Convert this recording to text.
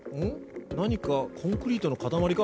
何かコンクリートの塊か？